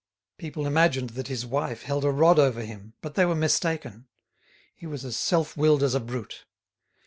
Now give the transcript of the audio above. People imagined that his wife held a rod over him, but they were mistaken. He was as self willed as a brute.